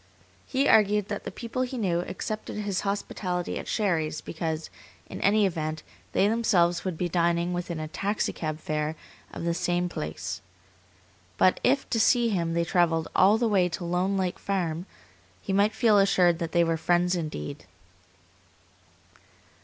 He argued that the people he knew accepted his hospitality at Sherry's because, in any event, they themselves would be dining within a taxicab fare of the same place. But if to see him they travelled all the way to Lone Lake Farm, he might feel assured that they were friends indeed.